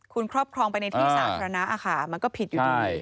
คุณครอบครองไปในที่สาธารณะค่ะมันก็ผิดอยู่ดี